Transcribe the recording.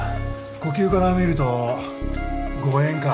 呼吸から見ると誤嚥か？